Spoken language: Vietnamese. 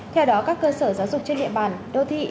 theo đó các cơ sở giáo dục trên địa bàn đô thị